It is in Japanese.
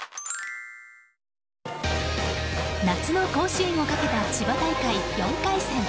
夏の甲子園をかけた千葉大会４回戦。